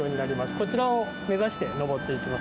こちらを目指して登っていきます。